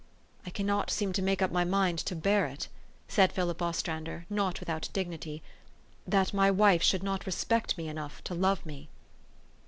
" I cannot seem to make up my mind to bear it," said Philip Ostrander, not without dignity, " that my wife should not respect me enough to love me."